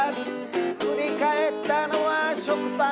「振り返ったのは食パン」